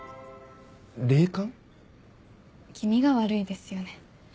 気味が悪いですよね。